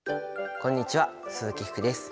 こんにちは鈴木福です。